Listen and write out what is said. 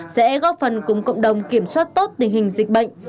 sẽ góp phần cùng cộng đồng kiểm soát tốt tình hình dịch bệnh